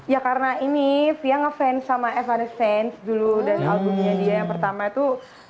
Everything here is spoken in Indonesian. ya karena ini fia ngefans sama evanescence dulu dan albumnya dia yang pertama itu